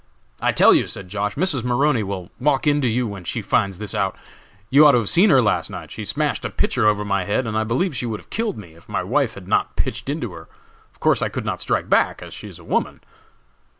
"I tell you," said Josh., "Mrs. Maroney will walk into you when she finds this out. You ought to have seen her last night. She smashed a pitcher over my head, and I believe she would have killed me, if my wife had not pitched into her. Of course I could not strike back, as she is a woman."